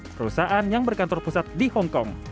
perusahaan yang berkantor pusat di hong kong